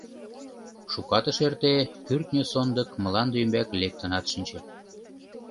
Шукат ыш эрте, кӱртньӧ сондык мланде ӱмбак лектынат шинче.